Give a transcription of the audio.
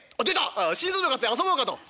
ああ『新造でも買って遊ぼうかと。